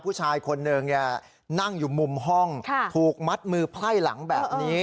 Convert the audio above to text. ผู้ชายคนหนึ่งนั่งอยู่มุมห้องถูกมัดมือไพ่หลังแบบนี้